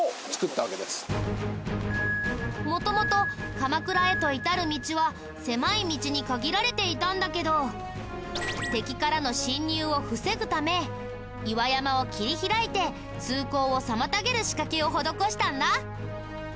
元々鎌倉へと至る道は狭い道に限られていたんだけど敵からの侵入を防ぐため岩山を切り開いて通行を妨げる仕掛けを施したんだ。